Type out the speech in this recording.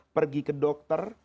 pergi ke dokter